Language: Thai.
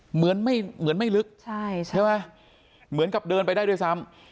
เหมือนไม่ลึกใช่ไหมเหมือนกับเดินไปได้ด้วยซ้ำ